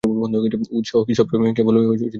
উৎসাহ কি সব সময়ে কেবল বকাবকি করে?